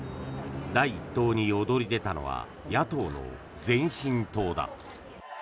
第一党に躍り出たのは野党の前進党だ。